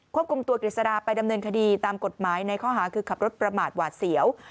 คุมตัวกฤษฎาไปดำเนินคดีตามกฎหมายในข้อหาคือขับรถประมาทหวาดเสียว